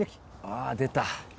あぁ出た。